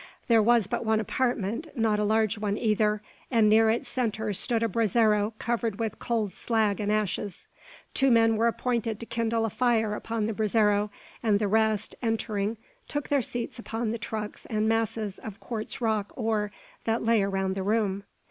There was but one apartment, not a large one either, and near its centre stood a brazero covered with cold slag and ashes. Two men were appointed to kindle a fire upon the brazero, and the rest, entering, took their seats upon the trucks and masses of quartz rock ore that lay around the room!